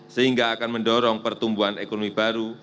sehingga akan mendorong pertumbuhan ekonomi baru